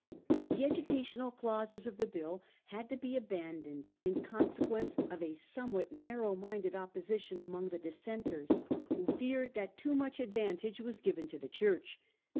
The educa tional clauses of the bill had to be abandoned in consequence of a somewhat narrow minded opposition among the Dissenters, who feared that too much ad vantage was given to the Church.